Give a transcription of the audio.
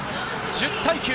１０対９。